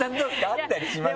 あったりします？